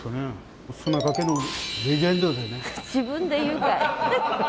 自分で言うかい！